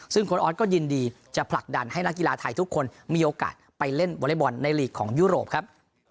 ซึ่งโค้ออสก็ยินดีจะผลักดันให้นักกีฬาไทยทุกคนมีโอกาสไปเล่นวอเล็กบอลในลีกของยุโรปครับ